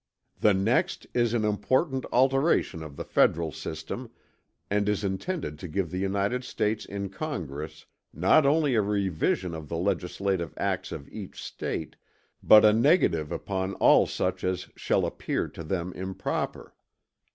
"The next is an important alteration of the Federal system, and is intended to give the United States in Congress, not only a revision of the legislative acts of each State, but a negative upon all such as shall appear to them improper.